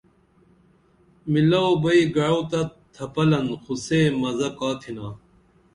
مِلاو بئی گعوہ تہ تھپَلِن خو سے مزہ کا تِھنا